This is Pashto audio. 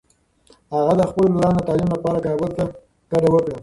هغه د خپلو لورانو د تعلیم لپاره کابل ته کډه وکړه.